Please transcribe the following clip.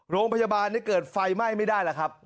โรงพยาบาลนี้เกิดไฟไหม้ไม่ได้แล้วครับ